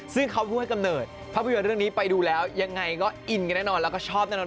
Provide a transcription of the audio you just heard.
ซึ่งเขาผู้ให้กำเนิดภาพยนตร์เรื่องนี้ไปดูแล้วยังไงก็อินกันแน่นอนแล้วก็ชอบแน่นอน